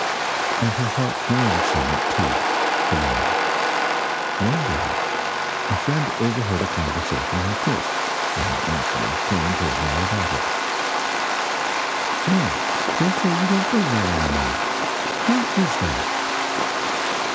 And her heart warmed somewhat, too, the while. One day a friend overheard a conversation like this: and naturally came and told her all about it: "Ned, they say you don't go there any more. How is that?"